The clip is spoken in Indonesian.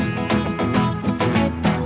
baru ngelapang dandan